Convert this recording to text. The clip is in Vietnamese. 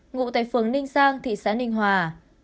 ngụ tại phường ninh giang thị xã ninh hòa